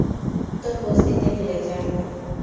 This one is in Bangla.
তোর বসতিতে ফিরে যা!